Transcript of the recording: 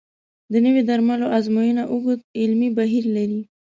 د نوي درملو ازموینه اوږد علمي بهیر لري.